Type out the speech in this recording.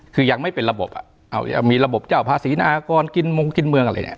คือยังไม่เป็นระบบอ่ะมีระบบเจ้าภาษีนากรกินมงกินเมืองอะไรเนี่ย